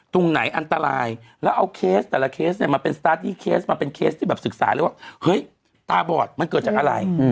ตรงไหนอันตรายแล้วเอาเทสตล